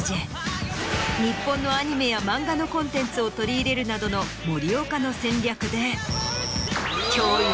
日本のアニメや漫画のコンテンツを取り入れるなどの森岡の戦略で。